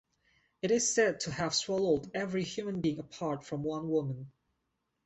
It is said to have swallowed every human being apart from one woman.